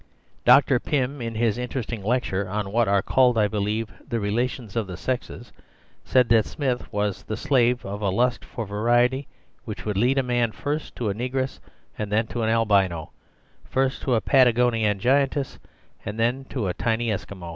Dr. Pym, in his interesting lecture on what are called, I believe, the relations of the sexes, said that Smith was the slave of a lust for variety which would lead a man first to a negress and then to an albino, first to a Patagonian giantess and then to a tiny Eskimo.